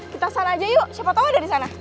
kita sana aja yuk siapa tau ada disana